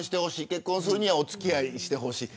結婚するにはお付き合いしてほしい。